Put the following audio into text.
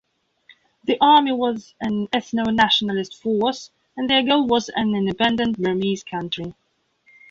The army was an ethno-nationalist force and their goal was an independent Burmese country.